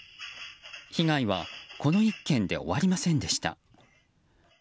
被害はこの１件で終わりませんでした。